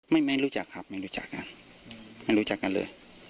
ไม่ไม่รู้จักครับไม่รู้จักกันไม่รู้จักกันเลย